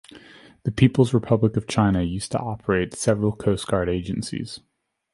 The Peoples Republic of China used to operate several coast guard agencies.